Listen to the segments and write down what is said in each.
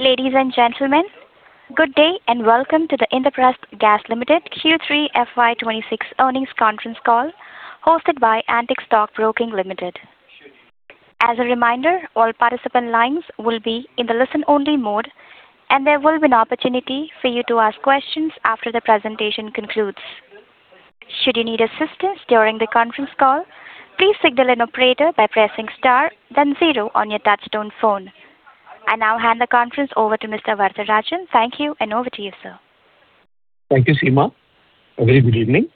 Ladies and gentlemen, good day, and welcome to the Indraprastha Gas Limited Q3 FY 2026 Earnings Conference Call, hosted by Antique Stock Broking Limited. As a reminder, all participant lines will be in the listen-only mode, and there will be an opportunity for you to ask questions after the presentation concludes. Should you need assistance during the conference call, please signal an operator by pressing star then zero on your touchtone phone. I now hand the conference over to Mr. Varadarajan. Thank you, and over to you, sir. Thank you, Seema. A very good evening.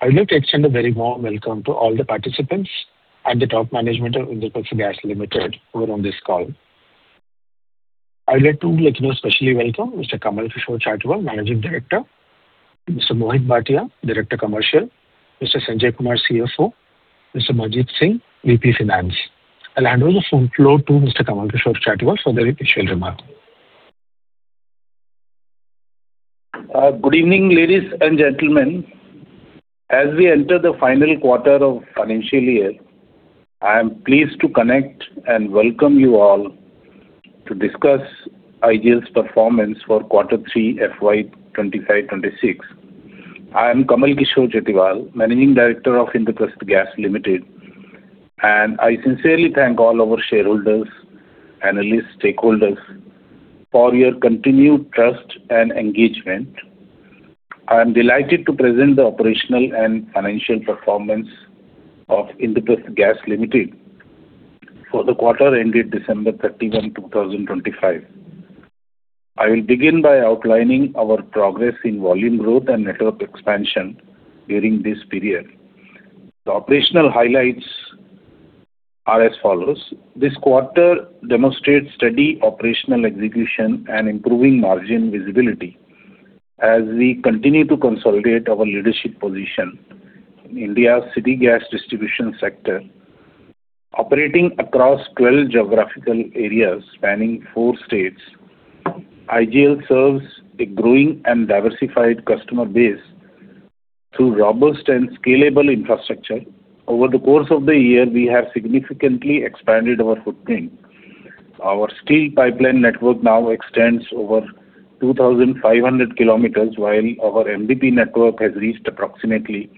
I would like to extend a very warm welcome to all the participants and the top management of Indraprastha Gas Limited who are on this call. I'd like to, like, you know, specially welcome Mr. Kamal Kishore Chatiwal, Managing Director, Mr. Mohit Bhatia, Director, Commercial, Mr. Sanjay Kumar, CFO, Mr. Manjeet Singh, VP, Finance. I'll hand over the floor to Mr. Kamal Kishore Chatiwal for the official remark. Good evening, ladies and gentlemen. As we enter the final quarter of financial year, I am pleased to connect and welcome you all to discuss IGL's performance for quarter three, FY 2025-26. I am Kamal Kishore Chatiwal, Managing Director of Indraprastha Gas Limited, and I sincerely thank all our shareholders, analysts, stakeholders for your continued trust and engagement. I'm delighted to present the operational and financial performance of Indraprastha Gas Limited for the quarter ended December 31, 2025. I will begin by outlining our progress in volume growth and network expansion during this period. The operational highlights are as follows: This quarter demonstrates steady operational execution and improving margin visibility as we continue to consolidate our leadership position in India's city gas distribution sector. Operating across twelve geographical areas, spanning four states, IGL serves a growing and diversified customer base through robust and scalable infrastructure. Over the course of the year, we have significantly expanded our footprint. Our steel pipeline network now extends over 2,500 kilometers, while our MDPE network has reached approximately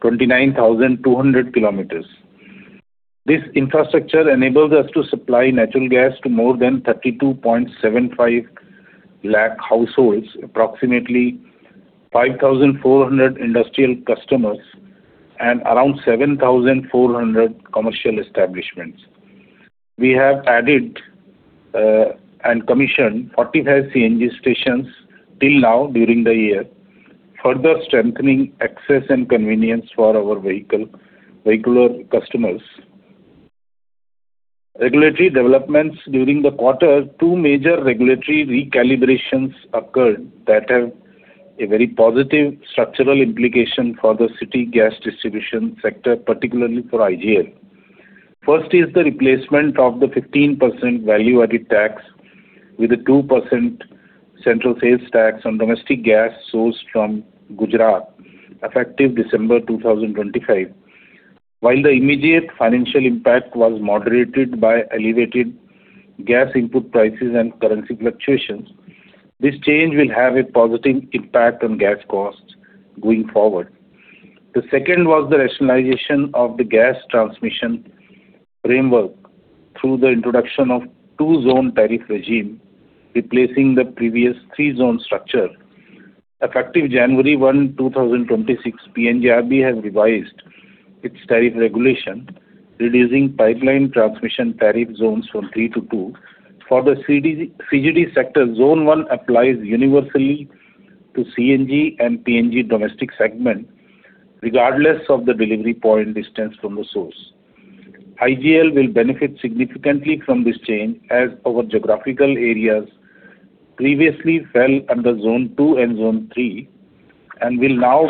29,200 kilometers. This infrastructure enables us to supply natural gas to more than 32.75 lakh households, approximately 5,400 industrial customers, and around 7,400 commercial establishments. We have added and commissioned 45 CNG stations till now during the year, further strengthening access and convenience for our vehicle, vehicular customers. Regulatory developments during the quarter. Two major regulatory recalibrations occurred that have a very positive structural implication for the city gas distribution sector, particularly for IGL. First is the replacement of the 15% value-added tax with a 2% central sales tax on domestic gas sourced from Gujarat, effective December 2025. While the immediate financial impact was moderated by elevated gas input prices and currency fluctuations, this change will have a positive impact on gas costs going forward. The second was the rationalization of the gas transmission framework through the introduction of two-zone tariff regime, replacing the previous three-zone structure. Effective January 1, 2026, PNGRB has revised its tariff regulation, reducing pipeline transmission tariff zones from three to two. For the CGD sector, Zone One applies universally to CNG and PNG domestic segment, regardless of the delivery point distance from the source. IGL will benefit significantly from this change, as our geographical areas previously fell under Zone Two and Zone Three and will now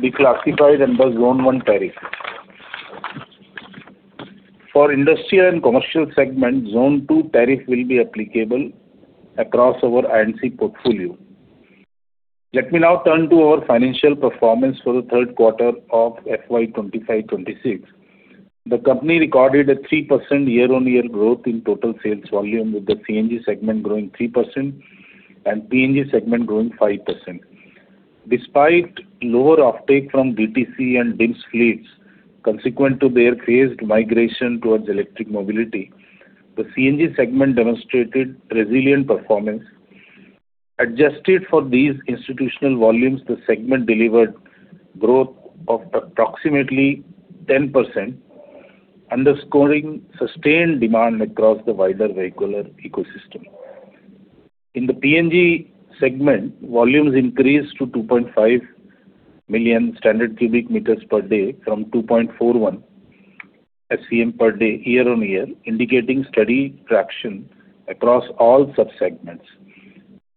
be classified under Zone One tariff. For industrial and commercial segment, Zone Two tariff will be applicable across our NCR portfolio. Let me now turn to our financial performance for the third quarter of FY 2025-2026. The company recorded a 3% year-on-year growth in total sales volume, with the CNG segment growing 3% and PNG segment growing 5%. Despite lower uptake from DTC and DIMS fleets, consequent to their phased migration towards electric mobility, the CNG segment demonstrated resilient performance. Adjusted for these institutional volumes, the segment delivered growth of approximately 10%, underscoring sustained demand across the wider vehicular ecosystem. In the PNG segment, volumes increased to 2.5 million SCM per day from 2.41 SCM per day, year-on-year, indicating steady traction across all sub-segments.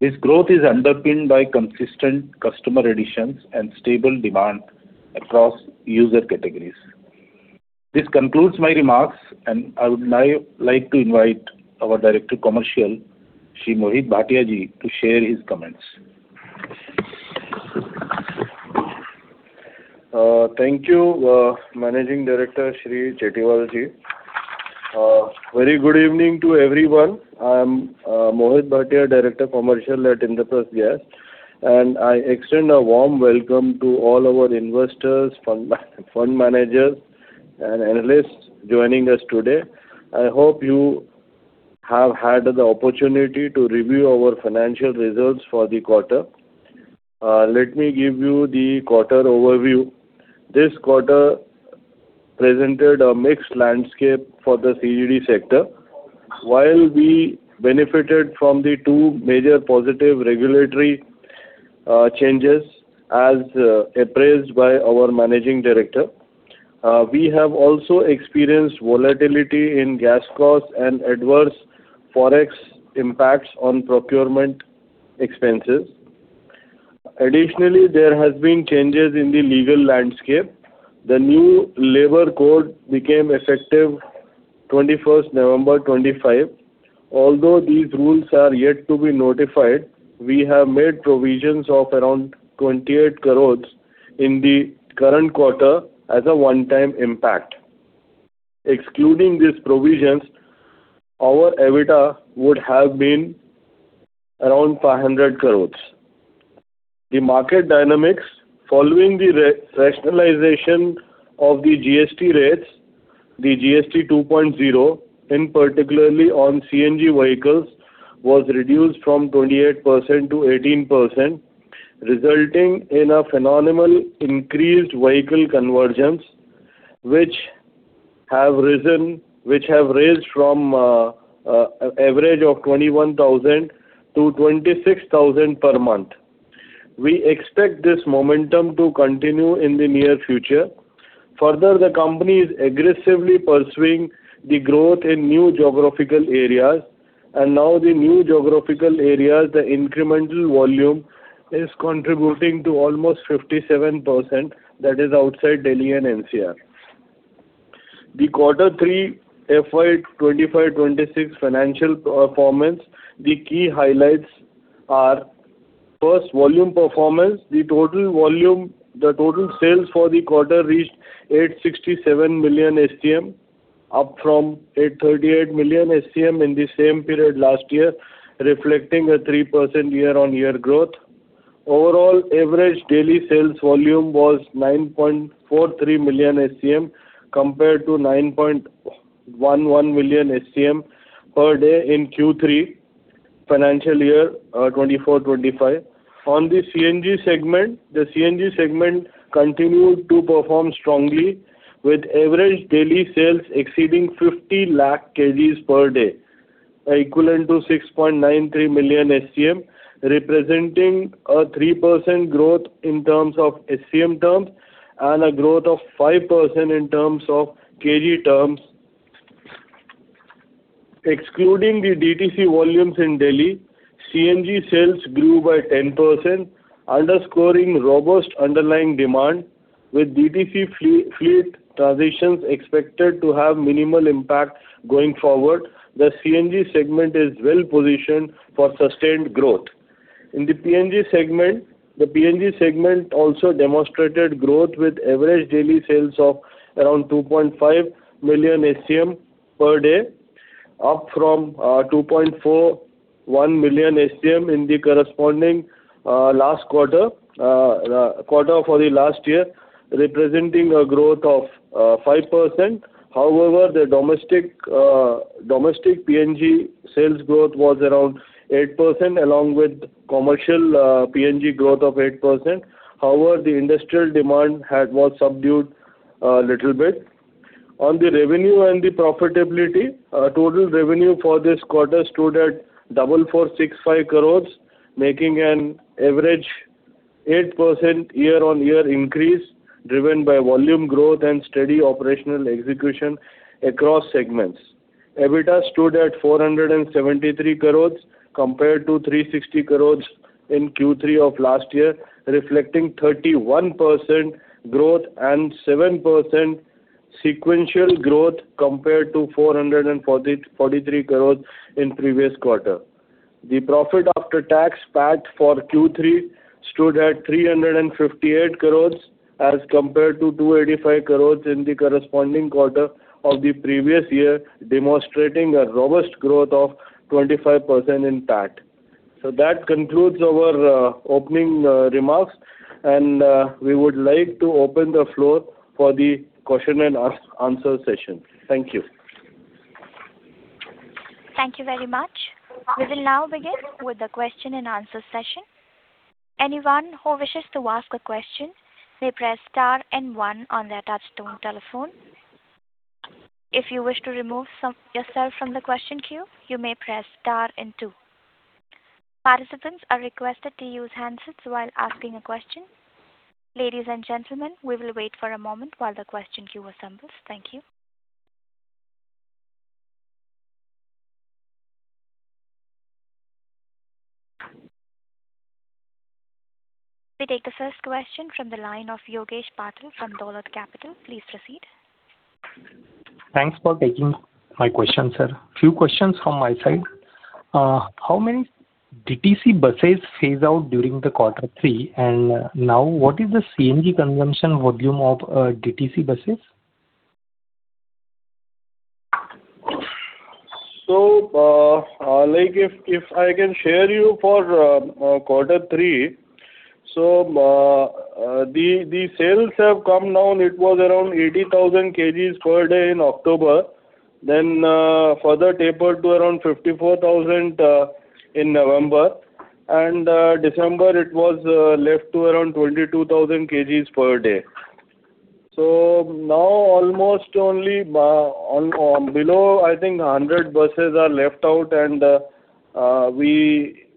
This growth is underpinned by consistent customer additions and stable demand across user categories. This concludes my remarks, and I would now like to invite our Director, Commercial, Shri Mohit Bhatia-ji, to share his comments. Thank you, Managing Director, Shri Chatiwal Ji. Very good evening to everyone. I'm Mohit Bhatia, Director, Commercial at Indraprastha Gas, and I extend a warm welcome to all our investors, fund managers, and analysts joining us today. I hope you have had the opportunity to review our financial results for the quarter. Let me give you the quarter overview. This quarter presented a mixed landscape for the CGD sector. While we benefited from the two major positive regulatory changes, as appraised by our managing director, we have also experienced volatility in gas costs and adverse Forex impacts on procurement expenses. Additionally, there has been changes in the legal landscape. The new labor code became effective 21st November, 2025. Although these rules are yet to be notified, we have made provisions of around 28 crore in the current quarter as a one-time impact. Excluding these provisions, our EBITDA would have been around 500 crore. The market dynamics following the re-rationalization of the GST rates, the GST 2.0, in particular on CNG vehicles, was reduced from 28% to 18%, resulting in a phenomenal increased vehicle convergence, which have raised from average of 21,000 to 26,000 per month. We expect this momentum to continue in the near future. Further, the company is aggressively pursuing the growth in new geographical areas, and now the new geographical areas, the incremental volume is contributing to almost 57%, that is outside Delhi and NCR. The Quarter 3, FY 2025-2026 financial performance, the key highlights are: First, volume performance. The total volume, the total sales for the quarter reached 867 million SCM, up from 838 million SCM in the same period last year, reflecting a 3% year-on-year growth. Overall, average daily sales volume was 9.43 million SCM, compared to 9.11 million SCM per day in Q3 financial year 2024-2025. On the CNG segment, the CNG segment continued to perform strongly, with average daily sales exceeding 50 lakh KGs per day, equivalent to 6.93 million SCM, representing a 3% growth in terms of SCM terms and a growth of 5% in terms of KG terms. Excluding the DTC volumes in Delhi, CNG sales grew by 10%, underscoring robust underlying demand, with DTC fleet transitions expected to have minimal impact going forward. The CNG segment is well positioned for sustained growth. In the PNG segment, the PNG segment also demonstrated growth with average daily sales of around 2.5 million SCM per day, up from 2.41 million SCM in the corresponding quarter for the last year, representing a growth of 5%. However, the domestic PNG sales growth was around 8%, along with commercial PNG growth of 8%. However, the industrial demand was subdued little bit. On the revenue and the profitability, total revenue for this quarter stood at 2,465 crores, making an average 8% year-on-year increase, driven by volume growth and steady operational execution across segments. EBITDA stood at 473 crore, compared to 360 crore in Q3 of last year, reflecting 31% growth and 7% sequential growth, compared to 443 crore in previous quarter. The profit after tax, PAT, for Q3 stood at 358 crore, as compared to 285 crore in the corresponding quarter of the previous year, demonstrating a robust growth of 25% in PAT. That concludes our opening remarks, and we would like to open the floor for the question and answer session. Thank you. Thank you very much. We will now begin with the question and answer session. Anyone who wishes to ask a question may press star and one on their touchtone telephone. If you wish to remove yourself from the question queue, you may press star and two. Participants are requested to use handsets while asking a question. Ladies and gentlemen, we will wait for a moment while the question queue assembles. Thank you. We take the first question from the line of Yogesh Patil from Dolat Capital. Please proceed.... Thanks for taking my question, sir. Few questions from my side. How many DTC buses phase out during the quarter three? And now, what is the CNG consumption volume of DTC buses? So, like, if I can share you for quarter three, so the sales have come down. It was around 80,000 kgs per day in October, then further tapered to around 54,000 in November, and December, it was left to around 22,000 kgs per day. So now, almost only on below, I think 100 buses are left out, and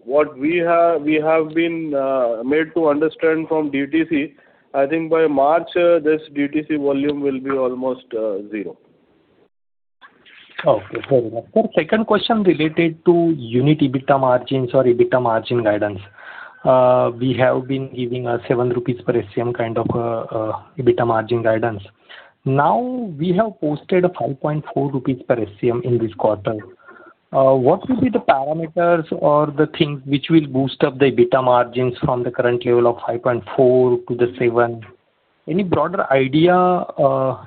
what we have, we have been made to understand from DTC, I think by March this DTC volume will be almost zero. Okay, very well. Sir, second question related to unit EBITDA margins or EBITDA margin guidance. We have been giving 7 rupees per SCM kind of EBITDA margin guidance. Now, we have posted 5.4 rupees per SCM in this quarter. What will be the parameters or the things which will boost up the EBITDA margins from the current level of 5.4 to the 7? Any broader idea,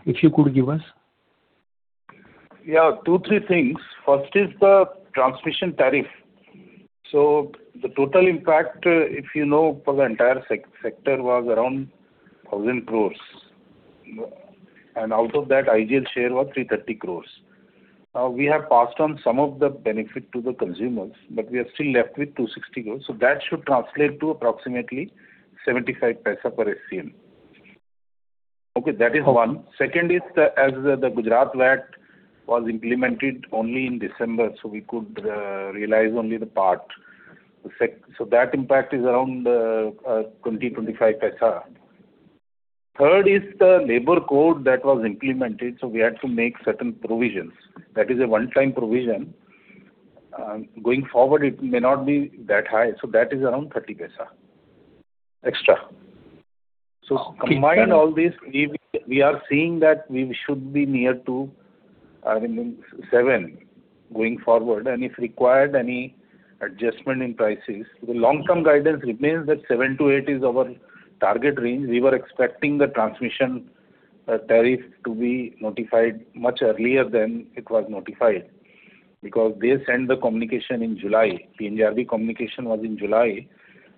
if you could give us? Yeah, 2, 3 things. First is the transmission tariff. So the total impact, if you know, for the entire sector was around 1,000 crore. And out of that, IGL share was 330 crore. We have passed on some of the benefit to the consumers, but we are still left with 260 crore, so that should translate to approximately 0.75 per SCM. Okay, that is one. Second is the, as the Gujarat VAT was implemented only in December, so we could realize only the part. So that impact is around 20-25 paisa. Third is the labor code that was implemented, so we had to make certain provisions. That is a one-time provision. Going forward, it may not be that high, so that is around 30 paisa extra. Okay. So, combined all these, we, we are seeing that we should be near to, I mean, seven going forward, and if required, any adjustment in prices. The long-term guidance remains that seven to eight is our target range. We were expecting the transmission tariff to be notified much earlier than it was notified, because they sent the communication in July. The PNGRB communication was in July,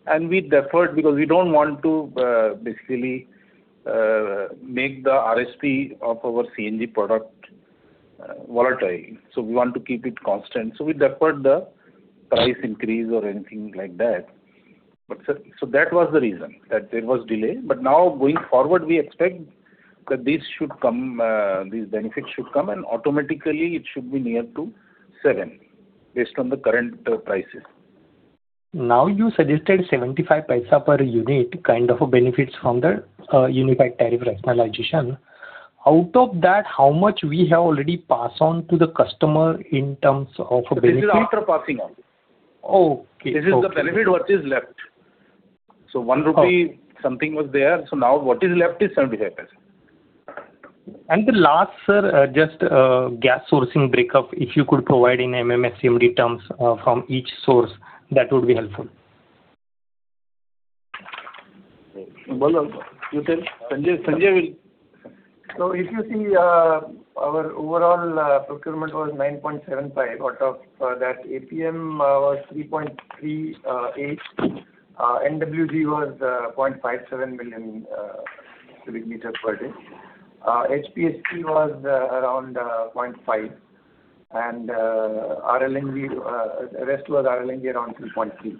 and we deferred because we don't want to basically make the RSP of our CNG product volatile. So we want to keep it constant, so we deferred the price increase or anything like that. But so, that was the reason that there was delay. But now, going forward, we expect that this should come, these benefits should come, and automatically it should be near to seven, based on the current prices. Now, you suggested 0.75 per unit, kind of a benefits from the, unified tariff rationalization. Out of that, how much we have already passed on to the customer in terms of a benefit? This is after passing on. Okay. This is the benefit what is left. So 1 rupee, something was there, so now what is left is 0.75. The last, sir, just gas sourcing breakup, if you could provide in MMSCMD terms, from each source, that would be helpful. Well, you tell. Sanjay, Sanjay will. So if you see, our overall procurement was 9.75. Out of that APM was 3.38, NWG was 0.57 million cubic meters per day. HPHT was around 0.5, and RLNG, rest was RLNG, around 2.3.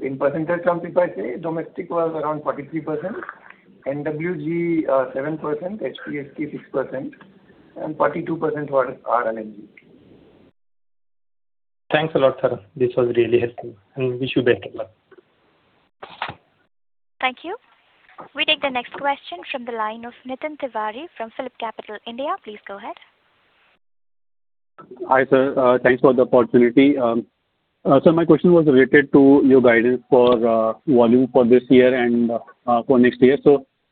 In percentage terms, if I say, domestic was around 43%, NWG 7%, HPHT 6%, and 42% was RLNG. Thanks a lot, sir. This was really helpful, and wish you best of luck. Thank you. We take the next question from the line of Nitin Tiwari from PhillipCapital India. Please go ahead. Hi, sir. Thanks for the opportunity. So my question was related to your guidance for volume for this year and for next year.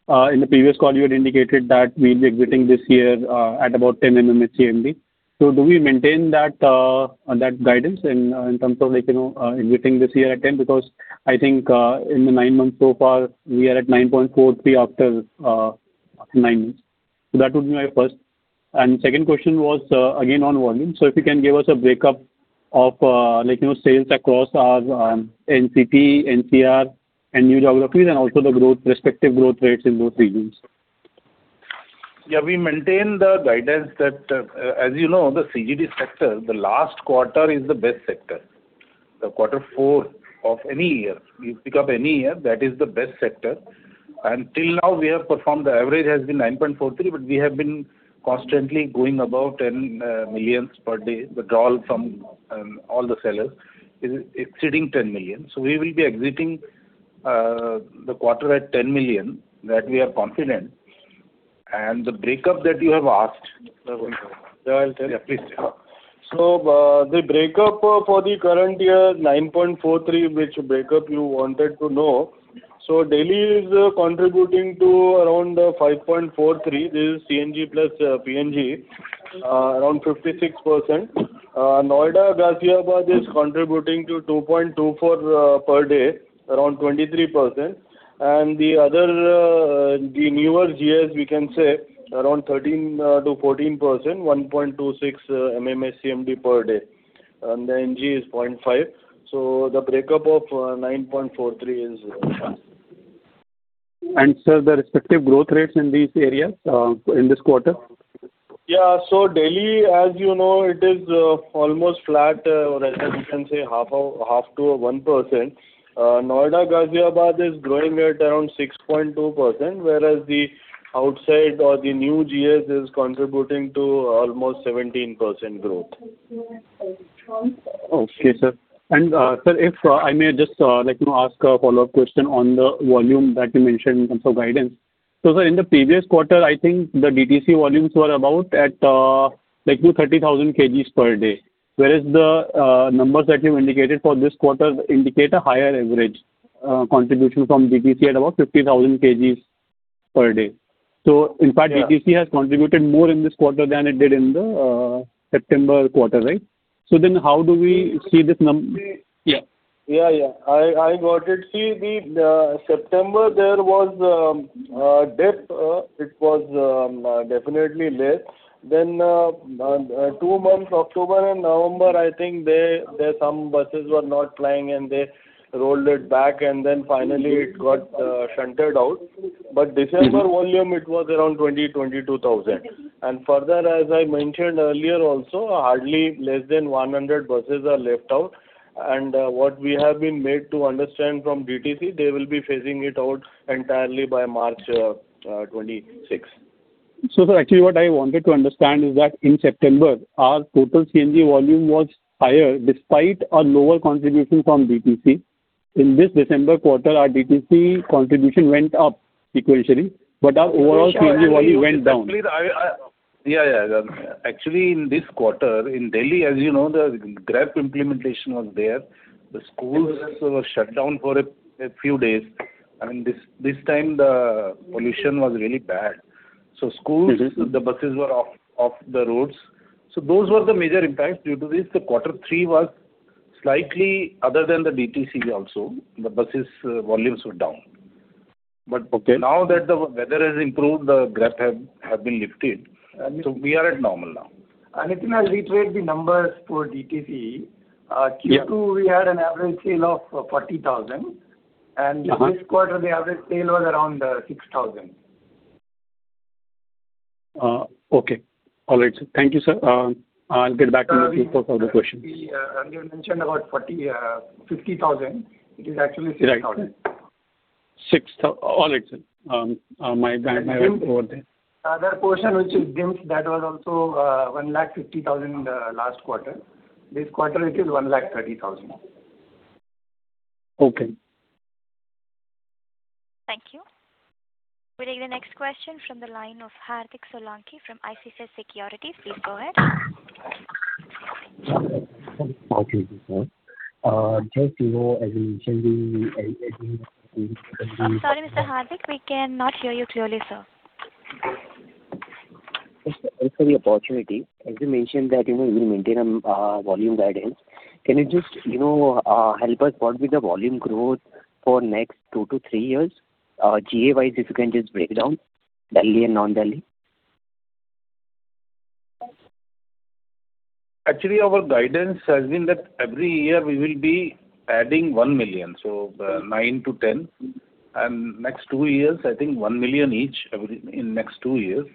So in the previous call, you had indicated that we'll be exiting this year at about 10 MMSCMD. So do we maintain that guidance in terms of like you know exiting this year at 10? Because I think in the nine months so far, we are at 9.43 after nine months. So that would be my first. And second question was again on volume. So if you can give us a breakup of like you know sales across NCP, NCR, and new geographies, and also the growth, respective growth rates in both regions. Yeah, we maintain the guidance that... As you know, the CGD sector, the last quarter is the best sector. The quarter four of any year, you pick up any year, that is the best sector. And till now, we have performed, the average has been 9.43, but we have been constantly going above 10 millions per day. The drawl from all the sellers is exceeding 10 million. So we will be exiting the quarter at 10 million, that we are confident. And the breakup that you have asked- Sir, I'll tell. Yeah, please tell.... So, the breakup for the current year, 9.43, which breakup you wanted to know. So Delhi is contributing to around 5.43. This is CNG plus, PNG, around 56%. Noida, Ghaziabad, is contributing to 2.24, per day, around 23%. And the other, the newer GAs, we can say, around 13%-14%, 1.26 MMSCMD per day, and the NG is 0.5. So the breakup of, 9.43 is there. Sir, the respective growth rates in these areas, in this quarter? Yeah. So Delhi, as you know, it is almost flat, or as we can say, 0.5%-1%. Noida, Ghaziabad, is growing at around 6.2%, whereas the outside or the new GAs is contributing to almost 17% growth. Okay, sir. And, sir, if I may just, like, you know, ask a follow-up question on the volume that you mentioned in terms of guidance. So, sir, in the previous quarter, I think the DTC volumes were about at, like, you know, 30,000 KGs per day, whereas the numbers that you indicated for this quarter indicate a higher average, contribution from DTC at about 50,000 KGs per day. So in fact- Yeah. DTC has contributed more in this quarter than it did in the September quarter, right? So then how do we see this num- See- Yeah. Yeah, yeah. I got it. See, in September there was a dip. It was definitely less. Then two months, October and November, I think some buses were not plying, and they rolled it back, and then finally it got shunted out. But December volume, it was around 22,000. And further, as I mentioned earlier also, hardly less than 100 buses are left out. And what we have been made to understand from DTC, they will be phasing it out entirely by March 2026. So sir, actually, what I wanted to understand is that in September, our total CNG volume was higher, despite a lower contribution from DTC. In this December quarter, our DTC contribution went up sequentially, but our overall CNG volume went down. Actually, yeah, yeah. Actually, in this quarter, in Delhi, as you know, the GRAP implementation was there. The schools were shut down for a few days. I mean, this time the pollution was really bad. Mm-hmm. So schools, the buses were off the roads. So those were the major impacts. Due to this, the quarter three was slightly other than the DTC also. The buses volumes were down. But okay. Now that the weather has improved, the GRAP have been lifted, so we are at normal now. Nitin, I'll reiterate the numbers for DTC. Yeah. Q2, we had an average sale of 40,000, and- Mm-hmm. This quarter, the average sale was around 6,000. Okay. All right, sir. Thank you, sir. I'll get back to you with further questions. We, you mentioned about 40, 50 thousand. It is actually 6 thousand. Right. All right, sir. My bad, I wrote it there. Other portion, which is CNGs, that was also 150,000 last quarter. This quarter, it is 130,000. Okay. Thank you. We'll take the question from the line of Hardik Solanki from ICICI Securities. Please go ahead. Okay, sir. Just to know, as you mentioned, we, as we- I'm sorry, Mr. Hardik, we cannot hear you clearly, sir. Thanks for the opportunity. As you mentioned that, you know, you will maintain volume guidance, can you just, you know, help us, what will be the volume growth for next 2-3 years? GA-wise, if you can just break it down, Delhi and non-Delhi. Actually, our guidance has been that every year we will be adding 1 million, so 9-10. Next two years, I think 1 million each every in next two years.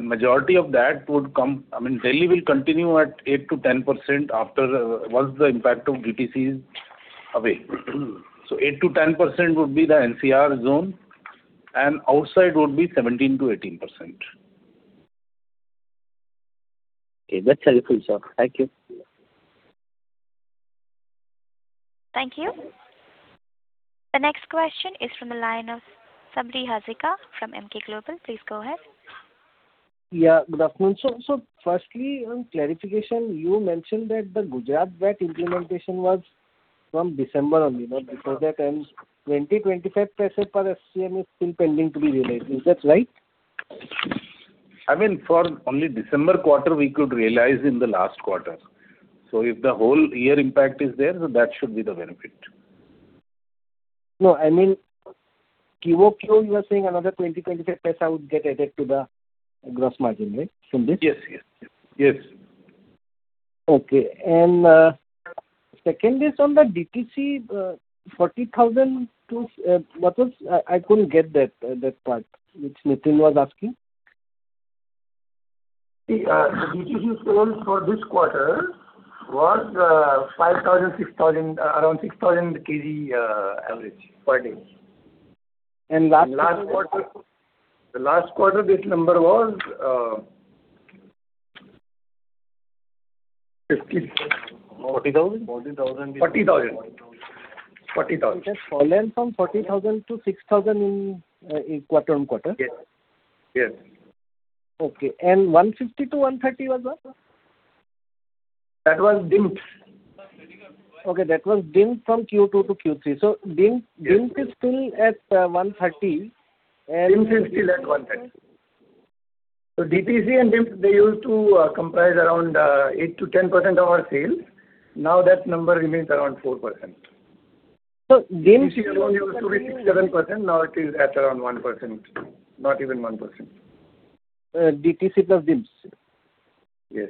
Majority of that would come... I mean, Delhi will continue at 8%-10% after once the impact of DTC is away. So 8%-10% would be the NCR zone, and outside would be 17%-18%. Okay, that's helpful, sir. Thank you. Thank you. The next question is from the line of Sabri Hazarika from Emkay Global. Please go ahead. Yeah, good afternoon, sir. So firstly, on clarification, you mentioned that the Gujarat VAT implementation was from December only, not before that, and 25 per SCM is still pending to be realized. Is that right? I mean, for only December quarter, we could realize in the last quarter. So if the whole year impact is there, so that should be the benefit. No, I mean, QOQ, you are saying another 20-25 would get added to the gross margin, right? From this. Yes, yes, yes. Yes. Okay. And, second is on the DTC, 40,000 to, what was... I couldn't get that, that part, which Nitin was asking. See, the DTC sales for this quarter was 5,000, 6,000, around 6,000 KG average per day. Last quarter? Last quarter, the last quarter, this number was 50- Forty thousand? Forty thousand. Forty thousand.... 40,000. It has fallen from 40,000 to 6,000 in quarter-on-quarter? Yes, yes. Okay, and 150-130 was what? That was DIMS. Okay, that was DIMS from Q2 to Q3. So DIMS, DIMS is still at 130, and- DIMS is still at 130. DTC and DIMS, they used to comprise around 8%-10% of our sales. Now, that number remains around 4%. So dimps- DTC alone used to be 6%-7%, now it is at around 1%. Not even 1%. DTC plus DIMS? Yes.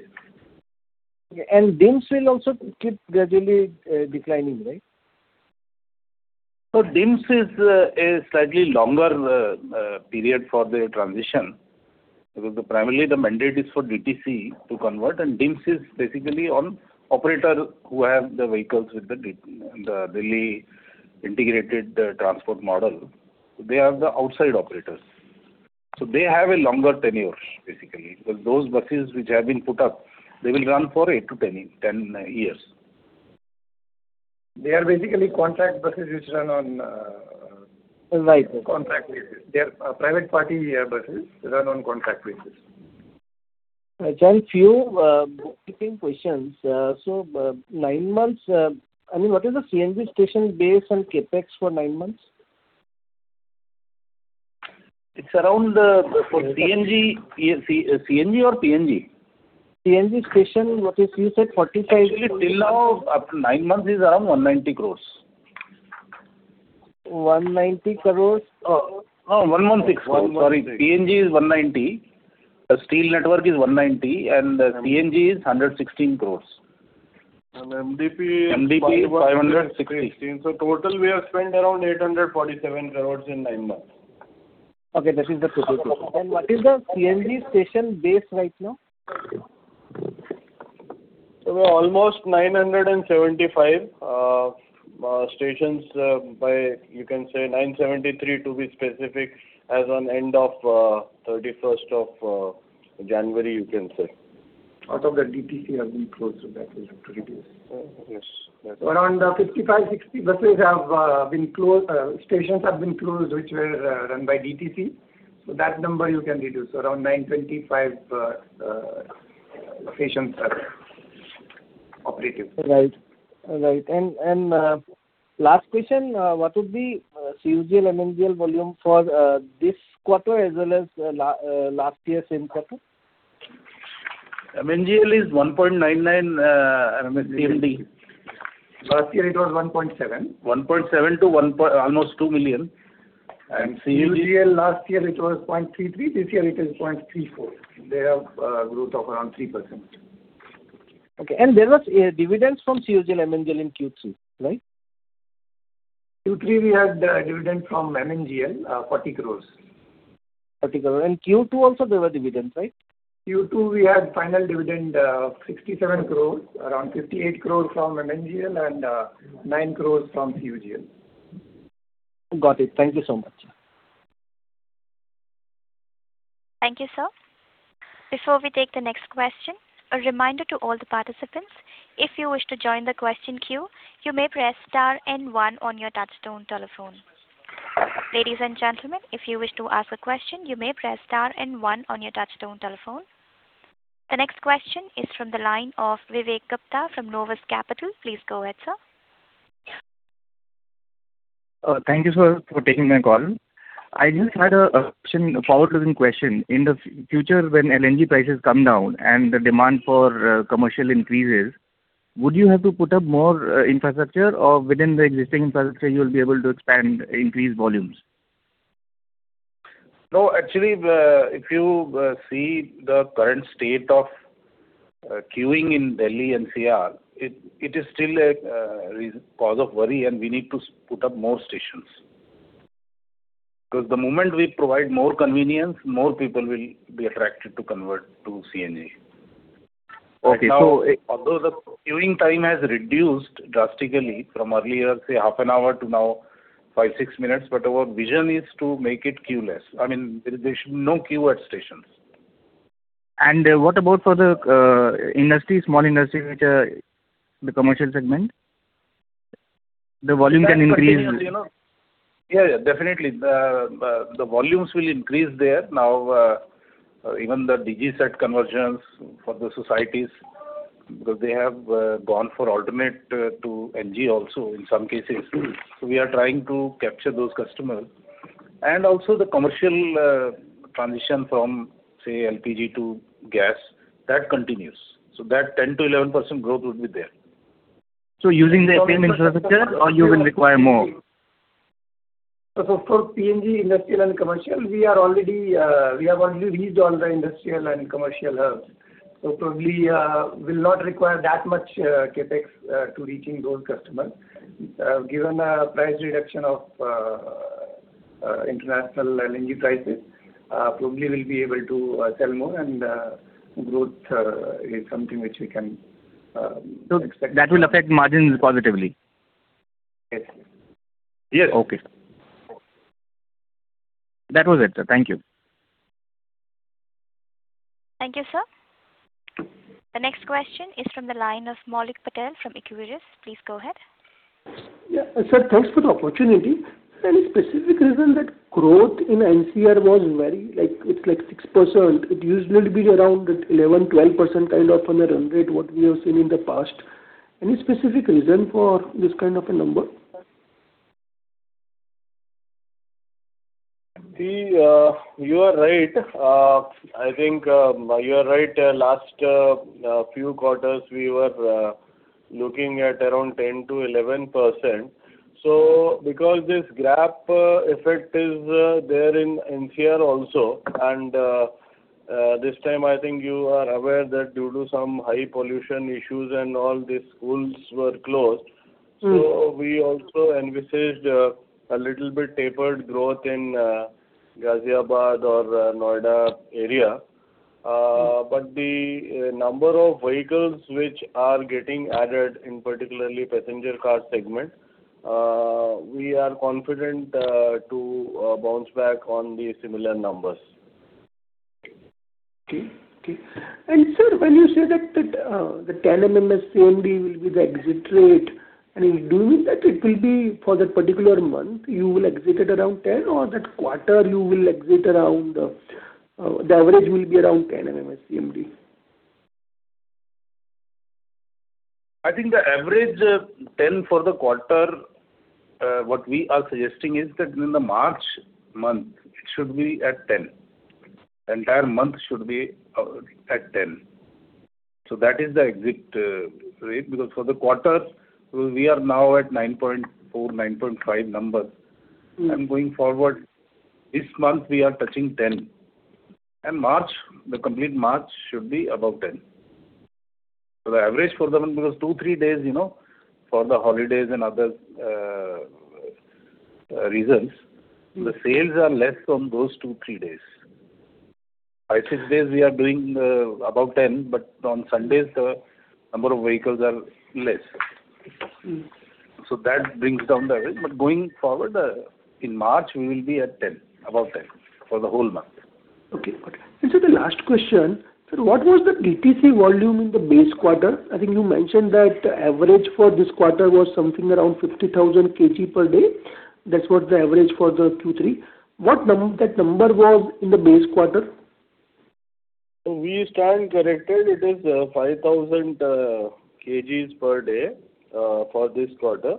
DIMS will also keep gradually declining, right? So DIMS is a slightly longer period for the transition, because primarily the mandate is for DTC to convert, and DIMS is basically an operator who have the vehicles with the Delhi Integrated Transport model. They are the outside operators. So they have a longer tenure, basically, because those buses which have been put up, they will run for 8-10 years. They are basically contract buses which run on Right. Contract basis. They are private party buses that run on contract basis. A few bookkeeping questions. So, nine months, I mean, what is the CNG station base and CapEx for nine months? It's around, for CNG, CNC, CNG or PNG? CNG station, what is... You said 45- Actually, till now, up 9 months is around 190 crore. 190 crores? No, 116 crore. 116. Sorry. PNG is 190. The steel network is 190, and CNG is 116 crores. MDPE is MDPE, 560. Total, we have spent around 847 crore in 9 months. Okay, that is the total. What is the CNG station base right now? So we're almost 975 stations, or you can say 973 to be specific, as of the end of the 31st of January, you can say. Out of the DTC have been closed, so that will have to reduce. Yes. Around 55-60 buses have been closed. Stations have been closed, which were run by DTC, so that number you can reduce. Around 925 stations are operative. Right. Right. And, and, last question, what would be CUGL, MNGL volume for this quarter, as well as last year, same quarter? MNGL is 1.99 MMSCMD. Last year, it was 1.7. 1.7 to almost 2 million. And CUGL- CUGL, last year, it was 0.33, this year it is 0.34. They have growth of around 3%. Okay. There was dividends from CUGL, MNGL in Q3, right? Q3, we had the dividend from MNGL, 40 crore. 40 crore. Q2 also there were dividends, right? Q2, we had final dividend, 67 crore. Around 58 crore from MNGL and, 9 crore from CUGL. Got it. Thank you so much. Thank you, sir. Before we take the next question, a reminder to all the participants, if you wish to join the question queue, you may press star and one on your touchtone telephone. Ladies and gentlemen, if you wish to ask a question, you may press star and one on your touchtone telephone. The next question is from the line of Vivek Gupta from Novus Capital. Please go ahead, sir. Thank you, sir, for taking my call. I just had a question, a follow-up question. In the future, when LNG prices come down and the demand for commercial increases, would you have to put up more infrastructure, or within the existing infrastructure you will be able to expand, increase volumes? No, actually, if you see the current state of queuing in Delhi NCR, it is still a reason, cause of worry and we need to put up more stations. Because the moment we provide more convenience, more people will be attracted to convert to CNG. Okay, so- Although the queuing time has reduced drastically from earlier, say, half an hour to now 5-6 minutes, but our vision is to make it queueless. I mean, there should be no queue at stations. What about for the industry, small industry, which are the commercial segment? The volume can increase. Yeah, yeah, definitely. The volumes will increase there. Now, even the DG set conversions for the societies, because they have gone for alternate to NG also in some cases. So we are trying to capture those customers. And also the commercial transition from, say, LPG to gas, that continues. So that 10%-11% growth would be there. Using the same infrastructure or you will require more? So for PNG, industrial and commercial, we are already, we have already reached all the industrial and commercial hubs. So probably, we'll not require that much, CapEx, to reaching those customers. Given the price reduction of, international LNG prices, probably we'll be able to, sell more and, growth, is something which we can, expect. That will affect margins positively? Yes. Yes. Okay. That was it, sir. Thank you. Thank you, sir. The next question is from the line of Maulik Patel from Equirus. Please go ahead. Yeah, sir, thanks for the opportunity. Any specific reason that growth in NCR was very, like, it's like 6%? It usually be around 11, 12% kind of on a run rate, what we have seen in the past. Any specific reason for this kind of a number? You are right. I think you are right. Last few quarters, we were looking at around 10%-11%. So because this gap effect is there in NCR also, and this time, I think you are aware that due to some high pollution issues and all, the schools were closed. Mm. So we also envisaged a little bit tapered growth in Ghaziabad or Noida area. But the number of vehicles which are getting added, in particularly passenger car segment, we are confident to bounce back on the similar numbers. Okay. Okay. And sir, when you say that the 10 MMSCMD will be the exit rate, and in doing that, it will be for that particular month, you will exit at around 10, or that quarter you will exit around, the average will be around 10 MMSCMD? I think the average 10 for the quarter, what we are suggesting is that in the March month, it should be at 10. The entire month should be at 10. So that is the exit rate, because for the quarter, we are now at 9.4-9.5 number. Mm. Going forward, this month, we are touching 10, and March, the complete March should be above 10. So the average for the month, because two, three days, you know, for the holidays and other reasons- Mm. The sales are less on those 2-3 days. 5-6 days we are doing above 10, but on Sundays, the number of vehicles are less. Mm. So that brings down the average. But going forward, in March, we will be at 10, above 10, for the whole month. Okay, got it. Sir, the last question: Sir, what was the DTC volume in the base quarter? I think you mentioned that average for this quarter was something around 50,000 kg per day. That's what the average for the Q3. What that number was in the base quarter? We stand corrected. It is 5,000 kgs per day for this quarter.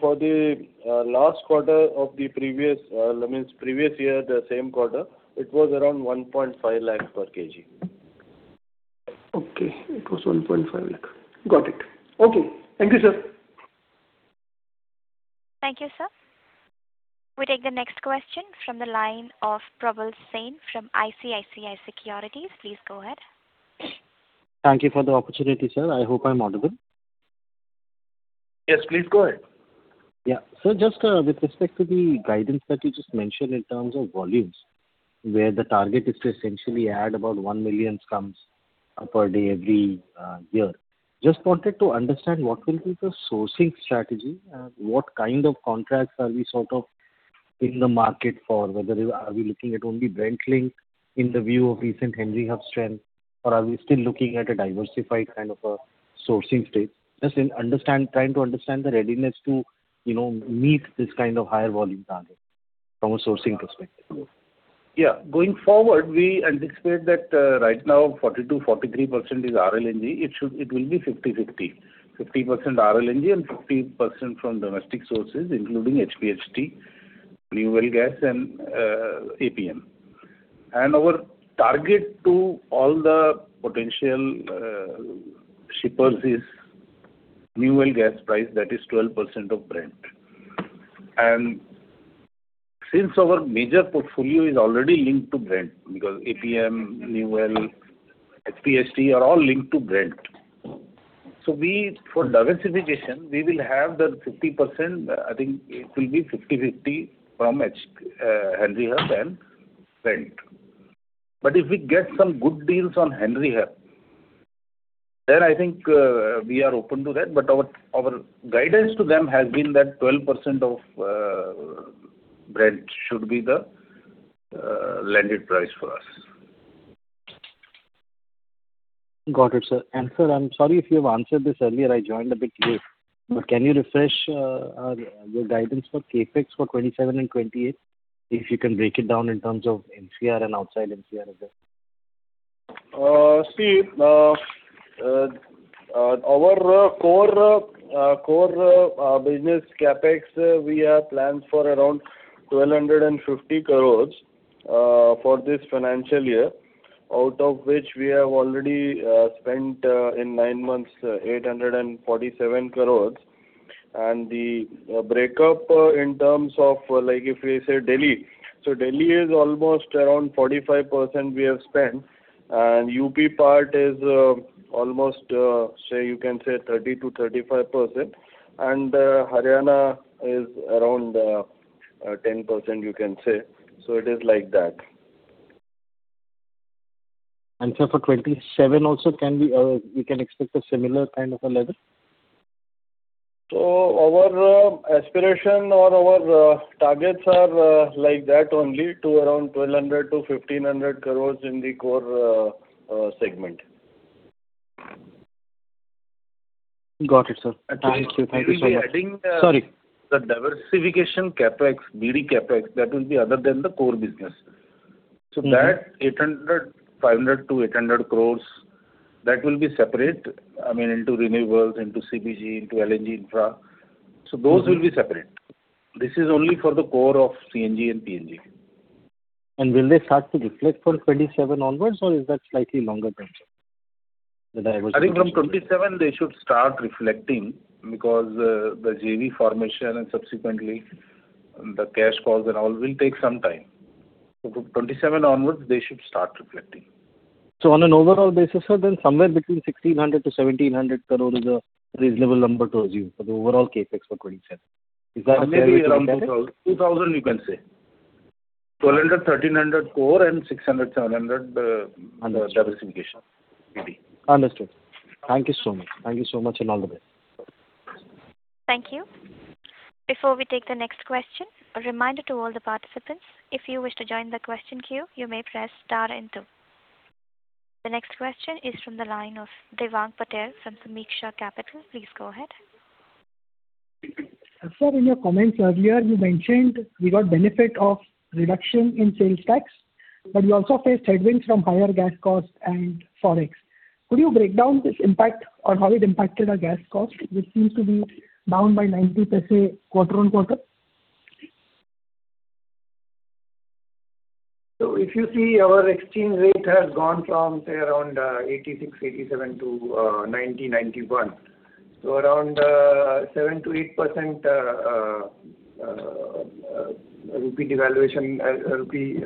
For the last quarter of the previous, that means previous year, the same quarter, it was around 1.5 lakh per kg. Okay, it was 1.5 lakh. Got it. Okay. Thank you, sir. Thank you, sir. We take the next question from the line of Probal Sen from ICICI Securities. Please go ahead. Thank you for the opportunity, sir. I hope I'm audible? Yes, please go ahead. Yeah. So just, with respect to the guidance that you just mentioned in terms of volumes, where the target is to essentially add about 1 million SCMs per day every year. Just wanted to understand, what will be the sourcing strategy, what kind of contracts are we sort of in the market for? Whether we are looking at only Brent-linked in the view of recent Henry Hub strength, or are we still looking at a diversified kind of a sourcing strategy? Just to understand, trying to understand the readiness to, you know, meet this kind of higher volume target from a sourcing perspective. Yeah. Going forward, we anticipate that, right now, 40%-43% is RLNG. It will be 50/50. 50% RLNG and 50% from domestic sources, including HPHT, New Well Gas, and APM. And our target to all the potential shippers is New Well gas price, that is 12% of Brent. And since our major portfolio is already linked to Brent, because APM, New Well, HPHT are all linked to Brent. So we, for diversification, we will have the 50%, I think it will be 50/50 from Henry Hub and Brent. But if we get some good deals on Henry Hub, then I think, we are open to that. But our guidance to them has been that 12% of Brent should be the landed price for us. Got it, sir. Sir, I'm sorry if you have answered this earlier. I joined a bit late. Mm. But can you refresh your guidance for CapEx for 2027 and 2028? If you can break it down in terms of NCR and outside NCR a bit. See, our core business CapEx, we have planned for around 1,250 crore for this financial year, out of which we have already spent in nine months 847 crore. And the breakup in terms of, like if we say Delhi, so Delhi is almost around 45% we have spent, and UP part is almost, say, you can say 30%-35%, and Haryana is around 10%, you can say. So it is like that. Sir, for 27 also, can we, we can expect a similar kind of a level?... So our aspiration or our targets are like that only to around 1,200-1,500 crore in the core segment. Got it, sir. Thank you. Thank you so much. We will be adding, Sorry. The diversification CapEx, BD CapEx, that will be other than the core business. Mm-hmm. that 800 crore, 500 crore-800 crore, that will be separate, I mean, into renewables, into CBG, into LNG infra. Mm-hmm. Those will be separate. This is only for the core of CNG and PNG. Will they start to reflect for 2027 onwards, or is that slightly longer term, the diversification? I think from 2027 they should start reflecting because, the JV formation and subsequently the cash flows and all will take some time. So from 2027 onwards, they should start reflecting. So on an overall basis, sir, then somewhere between 1,600 crore-1,700 crore is a reasonable number to assume for the overall CapEx for 2027. Is that fair to look at it? Maybe around 2,000, you can say. 1,200, 1,300 crore and 600, 700, uh- Understood. the diversification, maybe. Understood. Thank you so much. Thank you so much, and all the best. Thank you. Before we take the next question, a reminder to all the participants. If you wish to join the question queue, you may press star and two. The next question is from the line of Devang Patel from Sameeksha Capital. Please go ahead. Sir, in your comments earlier, you mentioned you got benefit of reduction in sales tax, but you also faced headwinds from higher gas costs and Forex. Could you break down this impact on how it impacted our gas cost, which seems to be down by 0.90 quarter-over-quarter? So if you see, our exchange rate has gone from, say, around 86, 87 to 90, 91. So around 7%-8% rupee devaluation, rupee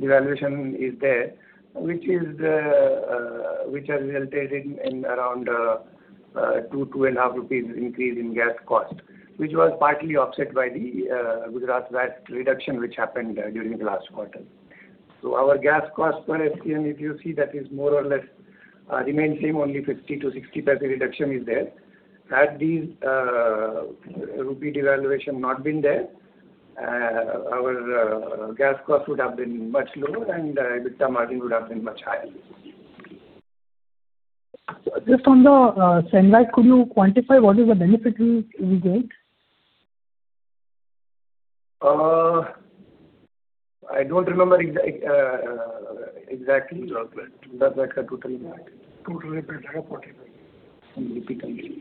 devaluation is there, which has resulted in around 2-2.5 rupees increase in gas cost. Which was partly offset by the Gujarat VAT reduction, which happened during the last quarter. So our gas cost per SCM, if you see, that is more or less remain same, only 0.50-0.60 reduction is there. Had these rupee devaluation not been there, our gas cost would have been much lower and EBITDA margin would have been much higher. Just on the, Central, could you quantify what is the benefit we get? I don't remember exactly, but that's a total impact. Total impact, INR 0.40 in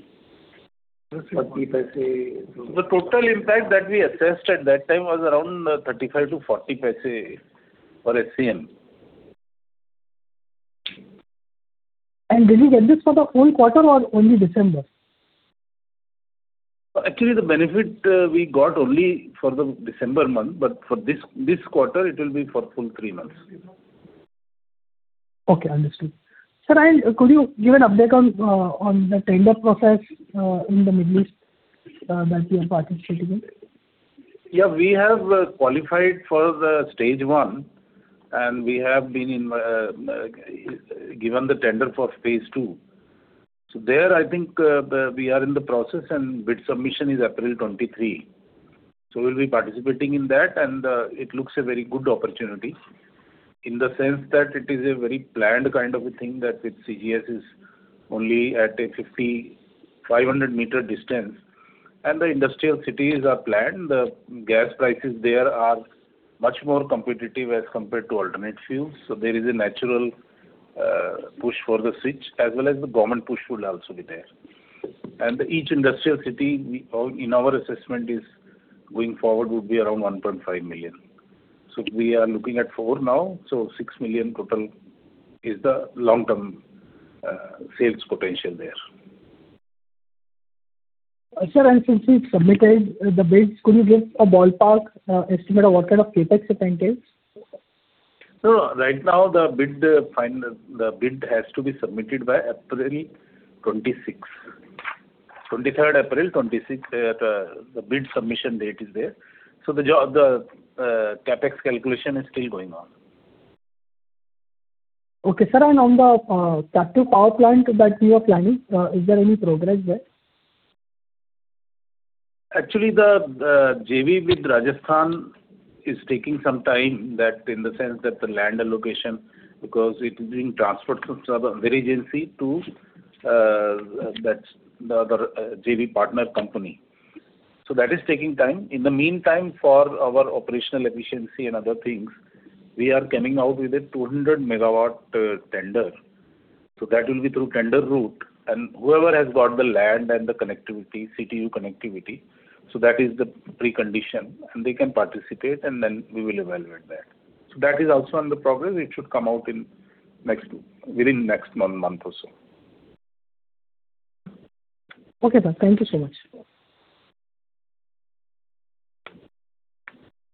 rupee terms. INR 0.30... The total impact that we assessed at that time was around 0.35-0.40 for SCM. Did you get this for the whole quarter or only December? Actually, the benefit, we got only for the December month, but for this quarter it will be for full three months. Okay, understood. Sir, and could you give an update on the tender process in the Middle East that you are participating in? Yeah, we have qualified for the stage 1, and we have been given the tender for phase 2. So, I think we are in the process and bid submission is April 23. So we'll be participating in that, and it looks a very good opportunity, in the sense that it is a very planned kind of a thing, that with CGS is only at a 5,500-meter distance, and the industrial cities are planned. The gas prices there are much more competitive as compared to alternate fuels, so there is a natural push for the switch, as well as the government push will also be there. And each industrial city, in our assessment, going forward, would be around 1.5 million. So we are looking at 4 now, so 6 million total is the long-term sales potential there. Sir, since you've submitted the bids, could you give a ballpark estimate of what kind of CapEx it entails? So right now, the bid has to be submitted by April 26. 23rd April, 26th, the bid submission date is there. So the CapEx calculation is still going on. Okay, sir. On the captive power plant that you are planning, is there any progress there? Actually, the JV with Rajasthan is taking some time, that in the sense that the land allocation, because it is being transferred from the other agency to that, the other JV partner company. So that is taking time. In the meantime, for our operational efficiency and other things, we are coming out with a 200 megawatt tender. So that will be through tender route, and whoever has got the land and the connectivity, CTU connectivity, so that is the precondition, and they can participate, and then we will evaluate that. So that is also under progress. It should come out within next month or so. Okay, sir. Thank you so much.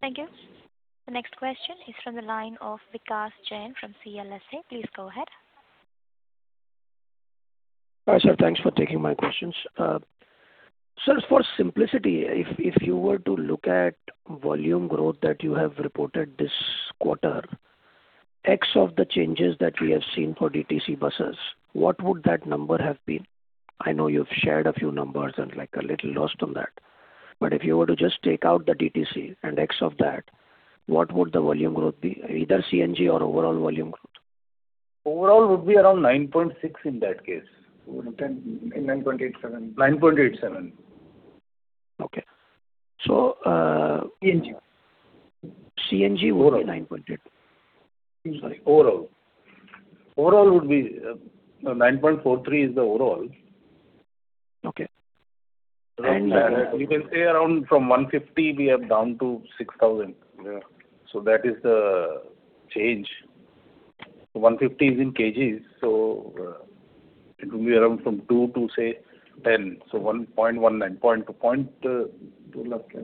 Thank you. The next question is from the line of Vikas Jain from CLSA. Please go ahead. Hi, sir. Thanks for taking my questions. Sir, for simplicity, if you were to look at volume growth that you have reported this quarter- ...impact of the changes that we have seen for DTC buses, what would that number have been? I know you've shared a few numbers, and, like, a little lost on that. But if you were to just take out the DTC and impact of that, what would the volume growth be, either CNG or overall volume growth? Overall would be around 9.6 in that case. Would have been 9.87. 9.87. Okay. So, CNG. CNG would be 9.8. Sorry, overall. Overall would be 9.43 is the overall. Okay. You can say around from 150, we are down to 6,000. Yeah. So that is the change. 150 is in kg, so, it will be around from 2 to, say, 10. So 1.1, 9 point to point. 2 lakh, yes.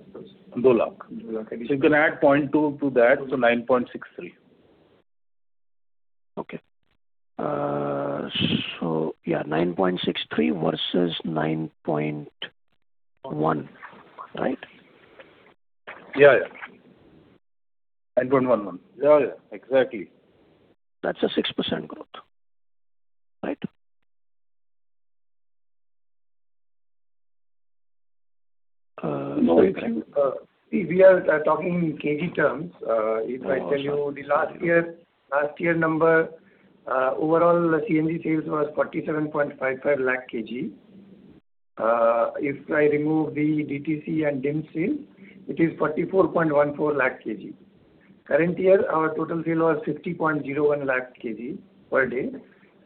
2 lakh. So you can add 0.2 to that, so 9.63. Okay. So yeah, 9.63 versus 9.1, right? Yeah, yeah. 9.11. Yeah, yeah, exactly. That's a 6% growth, right? No, we are talking in KG terms. If I tell you the last year, last year number, overall CNG sales was 47.55 lakh KG. If I remove the DTC and DIMS sales, it is 44.14 lakh KG. Current year, our total sale was 50.01 lakh KG per day.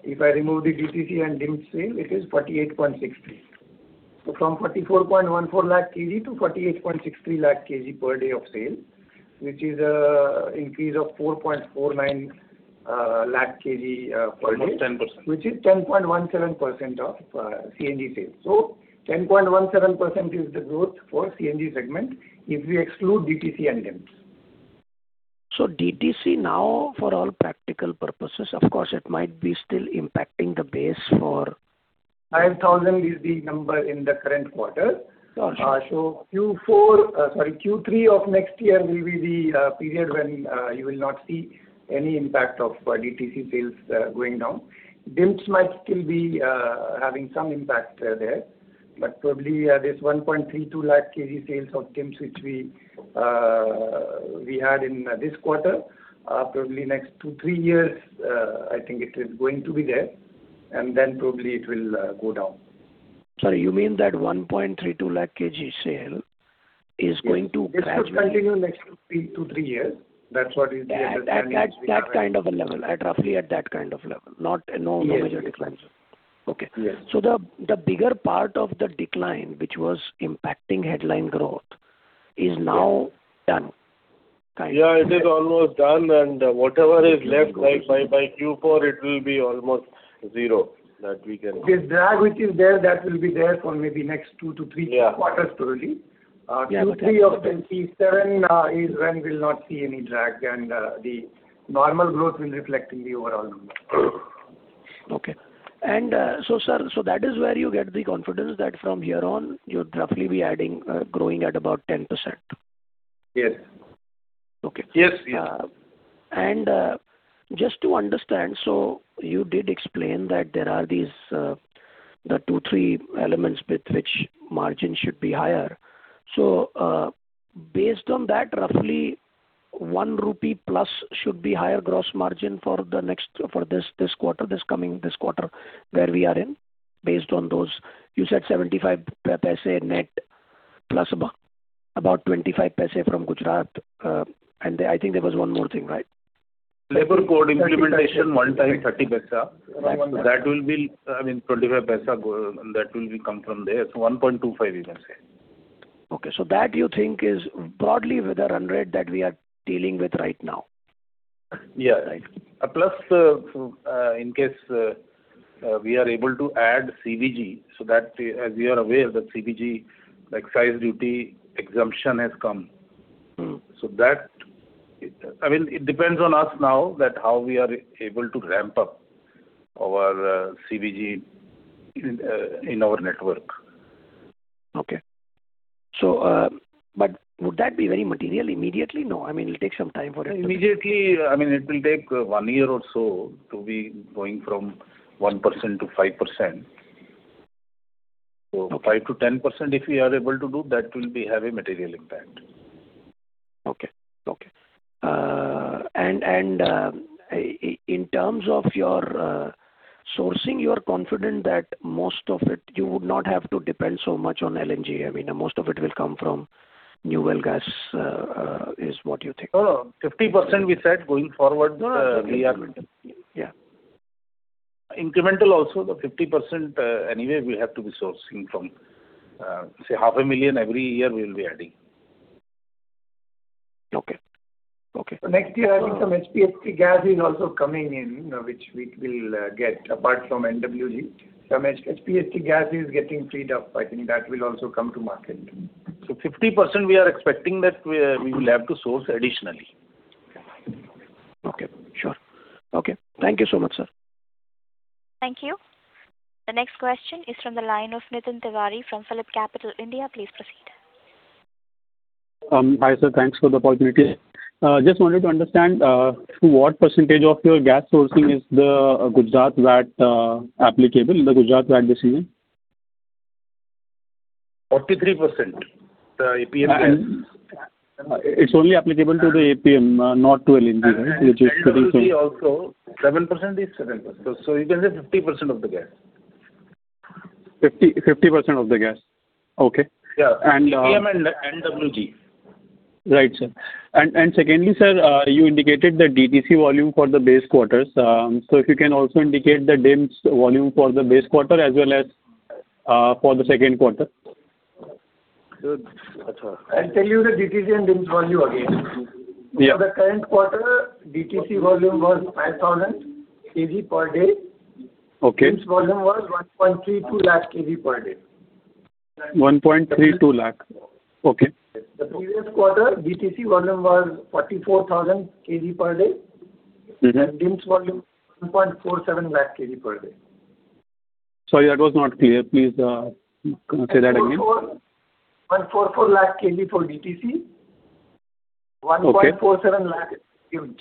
If I remove the DTC and DIMS sale, it is 48.63. So from 44.14 lakh KG to 48.63 lakh KG per day of sale, which is, increase of 4.49 lakh KG per day. Almost 10%. Which is 10.17% of CNG sales. So 10.17% is the growth for CNG segment, if we exclude DTC and DIMS. DTC now, for all practical purposes, of course, it might be still impacting the base for- 5,000 is the number in the current quarter. Got you. So Q4, sorry, Q3 of next year will be the period when you will not see any impact of DTC sales going down. DIMS might still be having some impact there, but probably this 1.32 lakh KG sales of DIMS, which we had in this quarter, probably next 2-3 years I think it is going to be there, and then probably it will go down. Sorry, you mean that 1.32 lakh KG sale is going to gradually- It could continue next 2-3 years. That's what is the understanding- At that kind of a level, roughly at that kind of level, not... No, no major declines. Yes. Okay. Yes. So the bigger part of the decline, which was impacting headline growth, is now done. Yeah, it is almost done, and whatever is left, like by Q4, it will be almost zero, that we can- The drag which is there, that will be there for maybe next 2-3- Yeah -quarters probably. Q3 of 27 is when we'll not see any drag, and the normal growth will reflect in the overall growth. Okay. And, so, sir, so that is where you get the confidence that from here on, you'll roughly be adding, growing at about 10%? Yes. Okay. Yes, yes. Just to understand, so you did explain that there are these, the two, three elements with which margin should be higher. So, based on that, roughly, 1+ rupee should be higher gross margin for this quarter, this coming quarter, where we are in, based on those. You said 0.75 net, plus about 0.25 from Gujarat, and I think there was one more thing, right? Labor code implementation, one-time, 0.30. Right. That will be, I mean, 0.25, that will become from there. So 1.25, you can say. Okay, so do you think that is broadly the rate that we are dealing with right now? Yeah. Right. Plus, in case we are able to add CBG, so that, as you are aware, the CBG, like, excise duty exemption has come. Mm. So, that it—I mean, it depends on us now that how we are able to ramp up our CNG in our network. Okay. So, but would that be very material immediately? No, I mean, it'll take some time for it to- Immediately, I mean, it will take one year or so to be going from 1% to 5%. So 5%-10%, if we are able to do, that will be having material impact. Okay, okay. In terms of your sourcing, you're confident that most of it, you would not have to depend so much on LNG. I mean, most of it will come from New Well Gas, is what you think? Oh, no. 50% we said going forward, we are... Yeah. Incremental also, the 50%, anyway, we have to be sourcing from, say, 500,000 every year, we will be adding. Okay. Okay. Next year, I think some HPHT gas is also coming in, which we will get apart from NWG. Some HPHT gas is getting freed up. I think that will also come to market. 50%, we are expecting that we will have to source additionally. Okay, sure. Okay, thank you so much, sir. Thank you. The next question is from the line of Nitin Tiwari from PhillipCapital India. Please proceed.... Hi, sir. Thanks for the opportunity. Just wanted to understand, to what percentage of your gas sourcing is the Gujarat VAT applicable, the Gujarat VAT decision? 43%, the APM gas. It's only applicable to the APM, not to LNG, right? Which is pretty- LNG also, 7% is 7%. So you can say 50% of the gas. 50-50% of the gas. Okay. Yeah. And, uh- APM and NWG. Right, sir. And, and secondly, sir, you indicated the DTC volume for the base quarters. So if you can also indicate the DIMS volume for the base quarter as well as for the second quarter. I'll tell you the DTC and DIMS volume again. Yeah. For the current quarter, DTC volume was 5,000 KG per day. Okay. DIMS volume was 1.32 lakh KG per day. INR 1.32 lakh. Okay. The previous quarter, DTC volume was 44,000 KG per day- Mm-hmm. DIMS volume, 1.47 lakh KG per day. Sorry, that was not clear. Please, say that again. 14,144 lakh KG for DTC. Okay. 1.47 lakh, DIMS.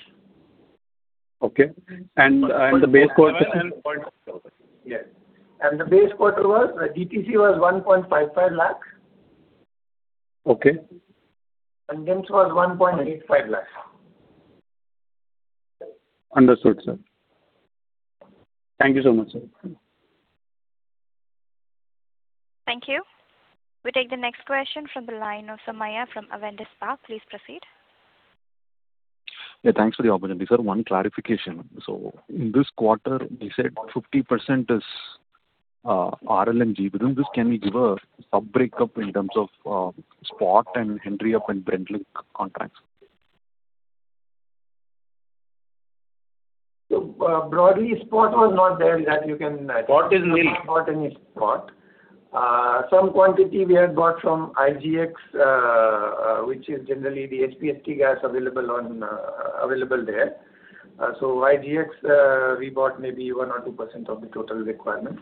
Okay. And the base quarter? Yes. The base quarter was, DTC was 1.55 lakh. Okay. DIMS was 1.85 lakh. Understood, sir. Thank you so much, sir. Thank you. We take the next question from the line of Samaya from Avendus Park. Please proceed. Yeah, thanks for the opportunity, sir. One clarification. So in this quarter, you said 50% is RLNG. Within this, can you give a sub-breakup in terms of spot and Henry Hub and Brent-linked contracts? Broadly, spot was not there, that you can, Spot is nil. We have not got any spot. Some quantity we have got from IGX, which is generally the HPHT gas available on, available there. So IGX, we bought maybe 1 or 2% of the total requirement.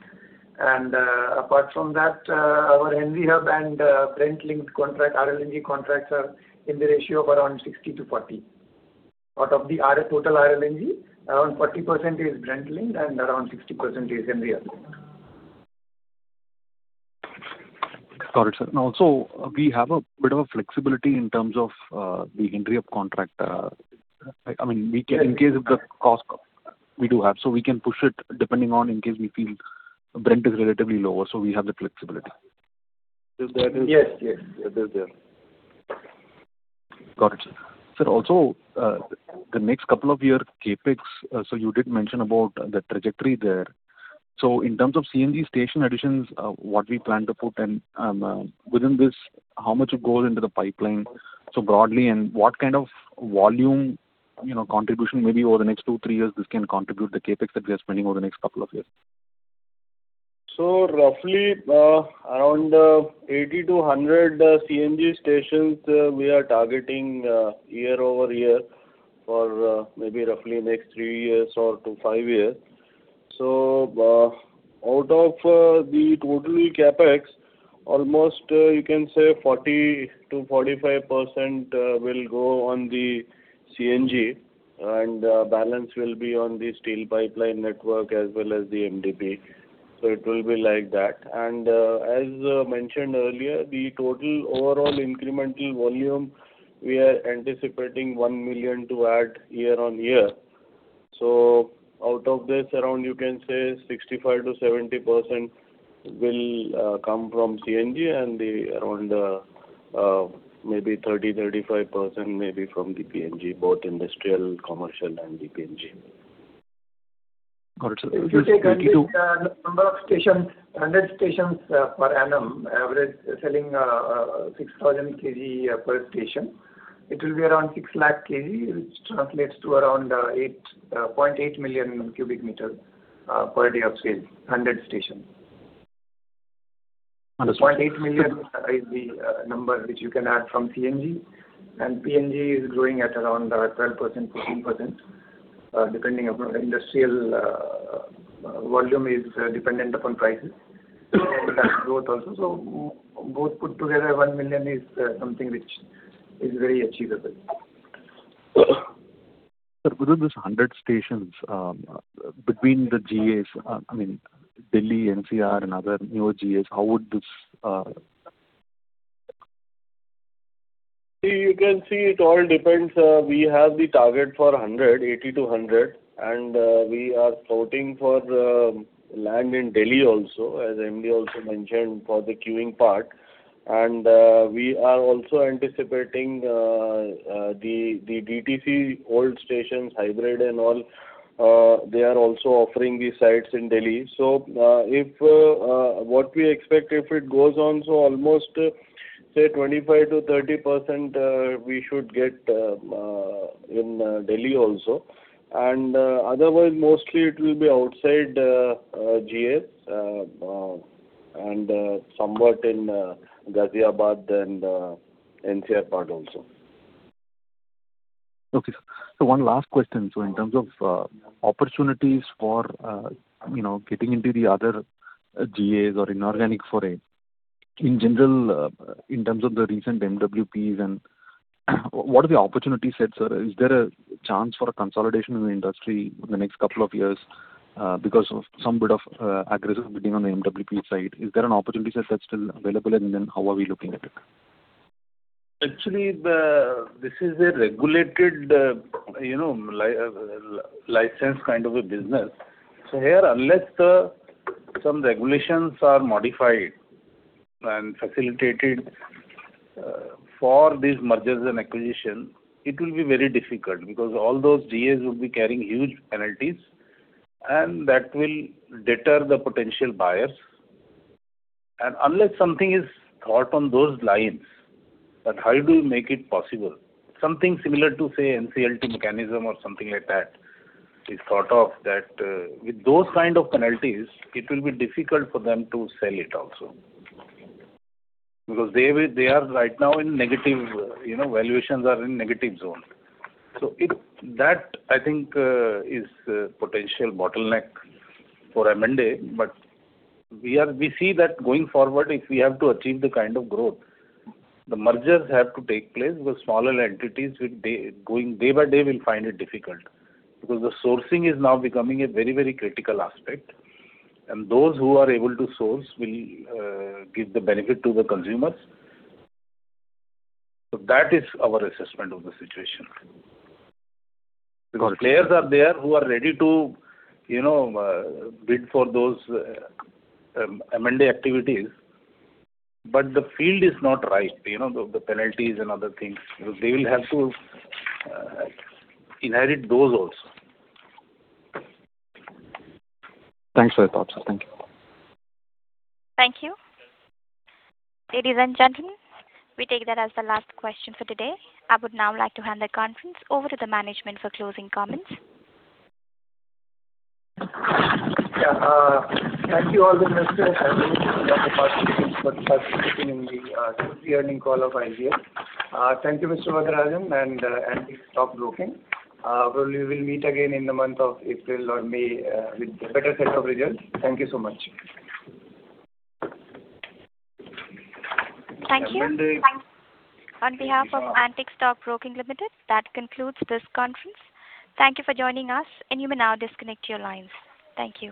And, apart from that, our Henry Hub and, Brent-linked contract, RLNG contracts, are in the ratio of around 60/40. Out of the total RLNG, around 40% is Brent-linked and around 60% is Henry Hub. Got it, sir. Now, also, we have a bit of a flexibility in terms of the Henry Hub contract. I mean, we can- Yes. In case of the cost, we do have. So we can push it depending on, in case we feel Brent is relatively lower, so we have the flexibility. Yes, yes, it is there. Got it, sir. Sir, also, the next couple of year CapEx, so you did mention about the trajectory there. So in terms of CNG station additions, what we plan to put in, within this, how much will go into the pipeline so broadly, and what kind of volume, you know, contribution maybe over the next two, three years, this can contribute the CapEx that we are spending over the next couple of years? So roughly around 80-100 CNG stations we are targeting year-over-year for maybe roughly next 3 years or to 5 years. So out of the total CapEx almost you can say 40%-45% will go on the CNG, and balance will be on the steel pipeline network as well as the MDP. So it will be like that. And as mentioned earlier, the total overall incremental volume we are anticipating 1 million to add year-over-year. So out of this around you can say 65%-70% will come from CNG, and around maybe 30-35% maybe from the PNG, both industrial, commercial, and the PNG. Got it, sir. If you take at least number of stations, 100 stations per annum, average selling 6,000 KG per station, it will be around 600,000 KG, which translates to around 8.8 million cubic meter per day of sale, 100 stations. Understood. 0.8 million is the number which you can add from CNG, and PNG is growing at around 12%-14%, depending upon industrial volume is dependent upon prices. And growth also. So both put together, 1 million is something which is very achievable. Sir, within these 100 stations, between the GAs, I mean, Delhi, NCR, and other new GAs, how would this... You can see it all depends, we have the target for 180 to 100, and we are plotting for land in Delhi also, as MD also mentioned, for the queuing part. And we are also anticipating the DTC old stations, hybrid and all, they are also offering the sites in Delhi. So if what we expect, if it goes on, so almost, say, 25%-30%, we should get in Delhi also. And otherwise, mostly it will be outside GAs, and somewhat in Ghaziabad and NCR part also.... Okay, so one last question. So in terms of, opportunities for, you know, getting into the other GAs or inorganic foray, in general, in terms of the recent MWPs and what are the opportunity sets are? Is there a chance for a consolidation in the industry in the next couple of years, because of some bit of, aggressive bidding on the MWP side? Is there an opportunity set that's still available, and then how are we looking at it? Actually, this is a regulated, you know, license kind of a business. So here, unless some regulations are modified and facilitated for these mergers and acquisitions, it will be very difficult because all those GAs will be carrying huge penalties, and that will deter the potential buyers. And unless something is thought on those lines, that how do you make it possible? Something similar to, say, NCLT mechanism or something like that is thought of, that, with those kind of penalties, it will be difficult for them to sell it also. Because they are right now in negative, you know, valuations are in negative zone. So it, that, I think, is a potential bottleneck for M&A, but we are... We see that going forward, if we have to achieve the kind of growth, the mergers have to take place, because smaller entities day by day will find it difficult. Because the sourcing is now becoming a very, very critical aspect, and those who are able to source will give the benefit to the consumers. So that is our assessment of the situation. Because players are there who are ready to, you know, bid for those M&A activities, but the field is not right. You know, the penalties and other things, because they will have to inherit those also. Thanks for your thoughts, sir. Thank you. Thank you. Ladies and gentlemen, we take that as the last question for today. I would now like to hand the conference over to the management for closing comments. Yeah, thank you, all the investors and all the participants for participating in the third earnings call of IGL. Thank you, Mr. Varadarajan, and Antique Stock Broking. We will meet again in the month of April or May, with a better set of results. Thank you so much. Thank you. And then the- On behalf of Antique Stock Broking Limited, that concludes this conference. Thank you for joining us, and you may now disconnect your lines. Thank you.